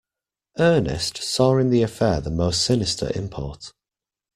Ernest saw in the affair the most sinister import.